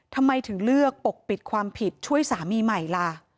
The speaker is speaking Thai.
ทำไมถึงเลือกปกปิดความผิดช่วยสามีใหม่ล่ะ